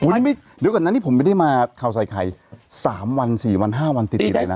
เดี๋ยวก่อนนะนี่ผมไม่ได้มาข่าวใส่ไข่๓วัน๔วัน๕วันติดเลยนะ